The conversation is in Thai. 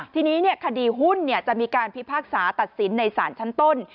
ทีนี้เนี่ยคดีหุ้นเนี่ยจะมีการพิพากษาตัดสินในศาลชั้นต้น